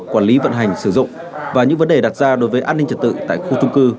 quản lý vận hành sử dụng và những vấn đề đặt ra đối với an ninh trật tự tại khu trung cư